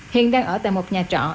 hiện đang ở tại một nhà trọ